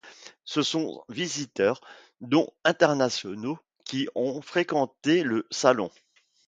Ce sont visiteurs dont internationaux qui ont fréquenté le salon.